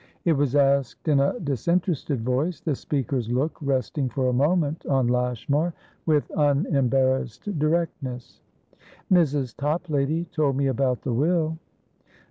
It was asked in a disinterested voice, the speaker's look resting for a moment on Lashmar with unembarrassed directness. "Mrs. Toplady told me about the will."